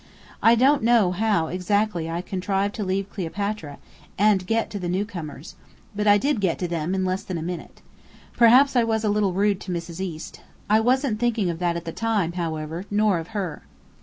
I don't know exactly how I contrived to leave Cleopatra, and get to the newcomers; but I did get to them in less than a minute. Perhaps I was a little rude to Mrs. East. I wasn't thinking of that at the time, however, nor of her.